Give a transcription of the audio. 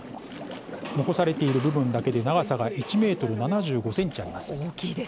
残されている部分だけで長さが１ｍ７５ｃｍあります。